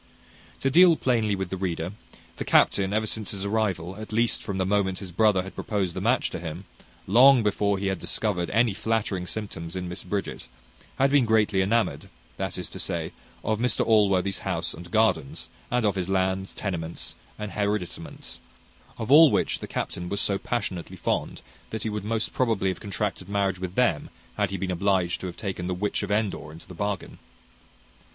To deal plainly with the reader, the captain, ever since his arrival, at least from the moment his brother had proposed the match to him, long before he had discovered any flattering symptoms in Miss Bridget, had been greatly enamoured; that is to say, of Mr Allworthy's house and gardens, and of his lands, tenements, and hereditaments; of all which the captain was so passionately fond, that he would most probably have contracted marriage with them, had he been obliged to have taken the witch of Endor into the bargain.